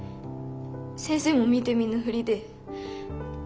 先生も見て見ぬふりで。